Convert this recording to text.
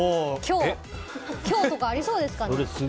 今日とかありそうですかね。